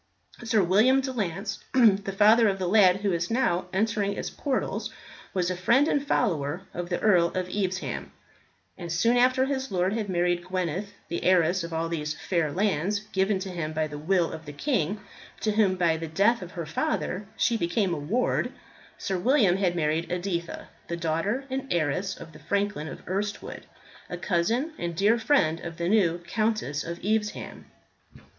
Sir William de Lance, the father of the lad who is now entering its portals, was a friend and follower of the Earl of Evesham; and soon after his lord had married Gweneth the heiress of all these fair lands given to him by the will of the king, to whom by the death of her father she became a ward Sir William had married Editha, the daughter and heiress of the franklin of Erstwood, a cousin and dear friend of the new Countess of Evesham.